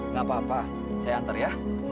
nggak apa apa saya antar ya